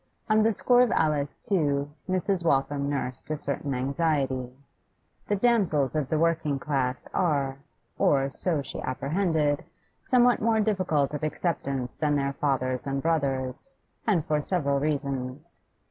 On the score of Alice, too, Mrs. Waltham nursed a certain anxiety. The damsels of the working class are, or so she apprehended, somewhat more difficult of acceptance than their fathers and brothers, and for several reasons.